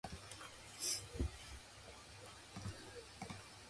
Laser designators may be mounted on aircraft, ground vehicles, naval vessels, or handheld.